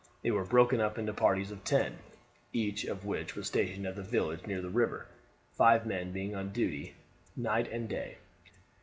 They were broken up into parties of ten, each of which was stationed at a village near the river, five men being on duty night and day.